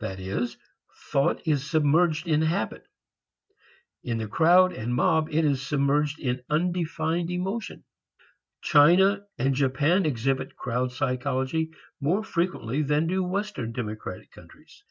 That is, thought is submerged in habit. In the crowd and mob, it is submerged in undefined emotion. China and Japan exhibit crowd psychology more frequently than do western democratic countries.